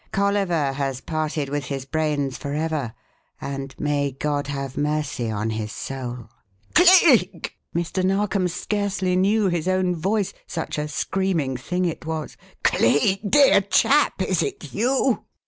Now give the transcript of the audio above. Colliver has parted with his brains forever; and may God have mercy on his soul!" "Cleek!" Mr. Narkom scarcely knew his own voice, such a screaming thing it was. "Cleek, dear chap, is it you?"